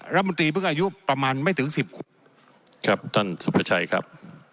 รัฐมนตรีเพิ่งอายุประมาณไม่ถึงสิบขวบครับท่านสุประชัยครับ